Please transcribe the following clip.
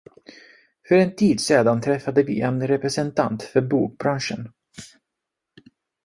För en tid sedan träffade vi en representant för bokbranschen.